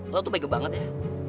lo tuh mega banget ya